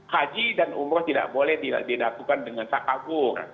haji dan umroh tidak boleh didakukan dengan takagur